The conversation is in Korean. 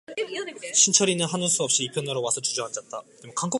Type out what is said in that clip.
신철이는 하는 수 없이 이편으로 와서 주저앉았다.